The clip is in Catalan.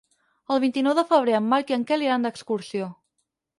El vint-i-nou de febrer en Marc i en Quel iran d'excursió.